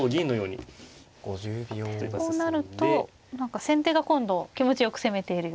こうなると先手が今度気持ちよく攻めているようにも。